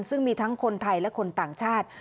ซึ่งมีทั้งคนไทยและคนต่างชาติ